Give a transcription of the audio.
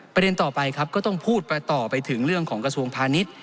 ประเด็นต่อไปครับก็ต้องพูดต่อไปถึงเรื่องของกระทรวงพาณิชย์